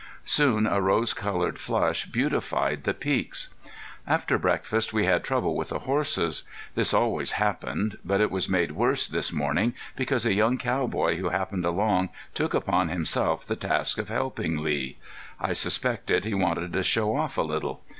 Soon a rose colored flush beautified the Peaks. After breakfast we had trouble with the horses. This always happened. But it was made worse this morning because a young cowboy who happened along took upon himself the task of helping Lee. I suspected he wanted to show off a little.